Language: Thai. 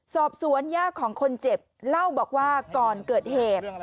สอบสวนย่าของคนเจ็บเล่าบอกว่าก่อนเกิดเหตุ